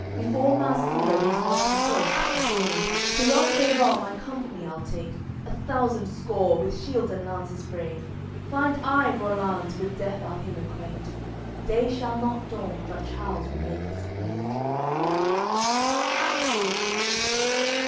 Before Marsile his vaunting boast hath made: "To Rencesvals my company I'll take, A thousand score, with shields and lances brave. Find I Rollanz, with death I'll him acquaint; Day shall not dawn but Charles will make his plaint."